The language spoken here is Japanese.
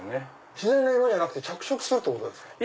自然の色じゃなくて着色するってことですか？